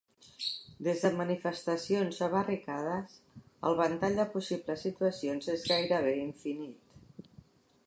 Des de manifestacions a barricades, el ventall de possibles situacions és gairebé infinit.